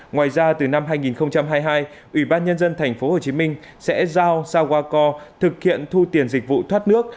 ngoài ra từ năm hai nghìn hai mươi hai ủy ban nhân dân tp hcm sẽ giao sao qua co thực hiện thu tiền dịch vụ thoát nước